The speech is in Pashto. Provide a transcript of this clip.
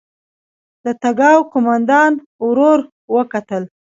د تګاو قوماندان ورور وکتل.